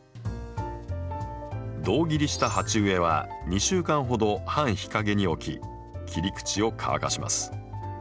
胴切りした鉢植えは２週間ほど半日陰に置き切り口を乾かします。